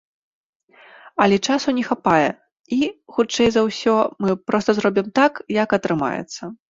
Але часу не хапае, і, хутчэй за ўсё, мы проста зробім так, як атрымаецца.